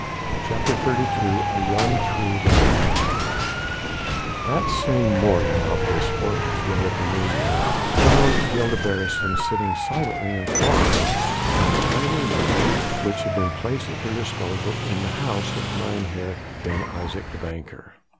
CHAPTER XXXII A RUN THROUGH THE NIGHT That same morning of this fourth day of the New Year found Gilda Beresteyn sitting silent and thoughtful in the tiny room which had been placed at her disposal in the house of Mynheer Ben Isaje, the banker.